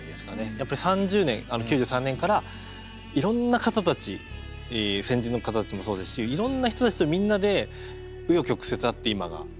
やっぱり３０年９３年からいろんな方たち先人の方たちもそうですしいろんな人たちとみんなで紆余曲折あって今があって。